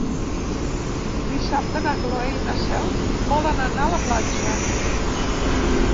Dissabte na Cloè i na Cel volen anar a la platja.